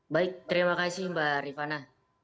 baik terima kasih mbak rifana